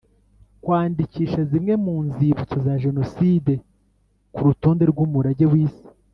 Kwandikisha zimwe mu nzibutso za jenoside ku rutonde rw umurage w isi